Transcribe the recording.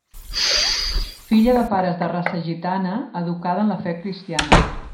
Filla de pares de raça gitana, educada en la fe cristiana.